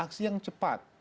aksi yang cepat